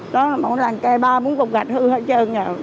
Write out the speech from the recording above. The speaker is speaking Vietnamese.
có một làng cây ba bốn cục gạch hư hết trơn rồi